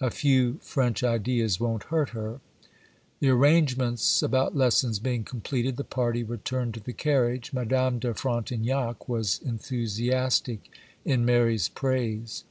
A few French ideas won't hurt her.' The arrangements about lessons being completed, the party returned to the carriage. Madame de Frontignac was enthusiastic in Mary's praise.